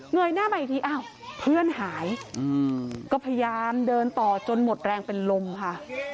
ยหน้ามาอีกทีอ้าวเพื่อนหายก็พยายามเดินต่อจนหมดแรงเป็นลมค่ะ